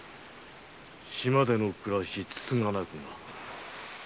島での暮らしつつがなくな。